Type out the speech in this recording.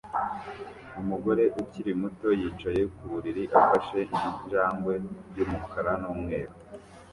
Umugore ukiri muto yicaye ku buriri afashe injangwe y'umukara n'umweru